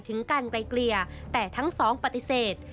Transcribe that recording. ถึงการไกลเกลี่ยแต่ทั้งสองปฏิเสธ